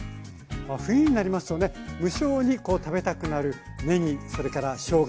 冬になりますとね無性にこう食べたくなるねぎそれからしょうが。